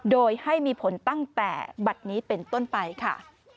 โดยให้มีผลตั้งแต่บัตรนี้เป็นต้นไปค่ะ